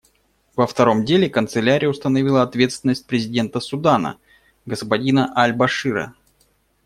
Во втором деле Канцелярия установила ответственность президента Судана господина аль-Башира.